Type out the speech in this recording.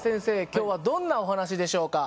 今日はどんなお話でしょうか。